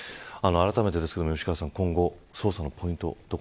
あらためてですけど吉川さん、今後捜査のポイント